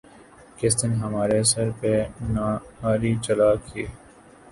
کس دن ہمارے سر پہ نہ آرے چلا کیے